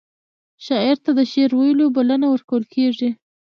شاعر ته د شعر ویلو بلنه ورکول کیږي.